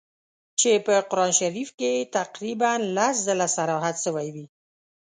چي په قرآن شریف کي یې تقریباً لس ځله صراحت سوی وي.